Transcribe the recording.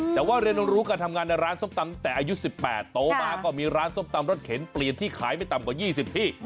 แต่ว่าเรียนรู้การทำงานในร้านส้มตำตั้งแต่อายุ๑๘โตมาก็มีร้านส้มตำรถเข็นเปลี่ยนที่ขายไม่ต่ำกว่า๒๐ที่